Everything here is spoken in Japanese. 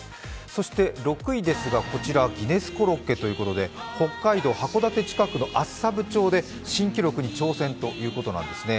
そして６位ですが、こちらギネスコロッケということで北海道函館近くの厚沢部町で新記録に挑戦ということなんですね。